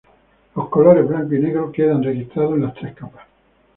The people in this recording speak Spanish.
Los colores blanco y negro quedan registrados en las tres capas.